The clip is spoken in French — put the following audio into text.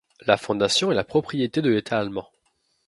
La fondation est la propriété de l'État allemand.